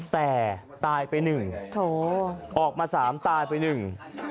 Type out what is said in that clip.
แต่ตายไปหนึ่งโถออกมาสามตายไปหนึ่ง